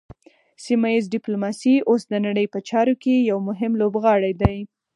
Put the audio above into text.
سیمه ایز ډیپلوماسي اوس د نړۍ په چارو کې یو مهم لوبغاړی دی